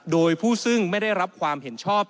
โดยผู้ซึ่งไม่ได้รับความเห็นชอบ